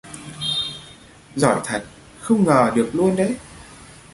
giởi thật, không ngờ được luôn đấy